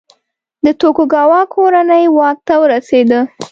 د توکوګاوا کورنۍ واک ته ورسېده.